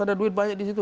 ada duit banyak di situ